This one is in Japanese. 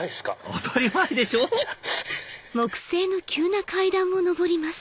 当たり前でしょじゃあ。